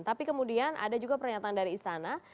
tapi kemudian ada juga pernyataan dari istana